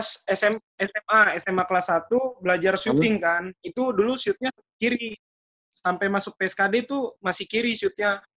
sebenernya pas sma kelas satu belajar shooting kan itu dulu shootnya kiri sampai masuk pskd itu masih kiri shootnya